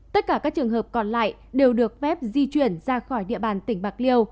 tất cả các trường hợp còn lại đều được phép di chuyển ra khỏi địa bàn tỉnh bạc liêu